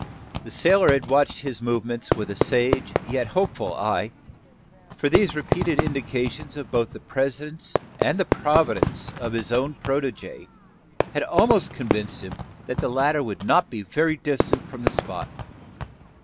The sailor had watched his movements with a sage yet hopeful eye: for these repeated indications of both the presence and providence of his own protege had almost convinced him that the latter would not be very distant from the spot.